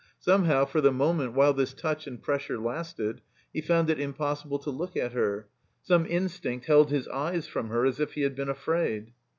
Somehow, for the moment whUe this touch and presstire lasted, he found it impossible to look at her. Some instinct held his eyes from her, as if he had been afraid.